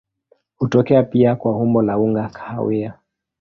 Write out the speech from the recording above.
Hutokea pia kwa umbo la unga kahawia.